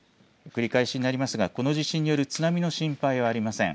繰り返しになりますがこの地震による津波の心配はありません。